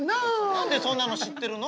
何でそんなの知ってるの？